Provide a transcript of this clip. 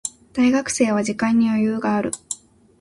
大学生は時間に余裕がある。